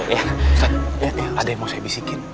ustadz ada yang mau saya bisikin